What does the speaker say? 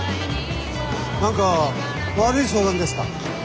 何か悪い相談ですか？